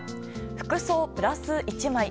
服装、プラス１枚。